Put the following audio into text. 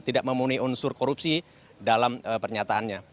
tidak memenuhi unsur korupsi dalam pernyataannya